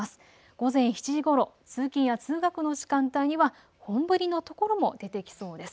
午前７時ごろ通勤や通学の時間帯は本降りの所も出てきそうです。